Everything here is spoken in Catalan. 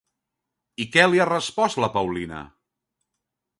I què li ha respost la Paulina?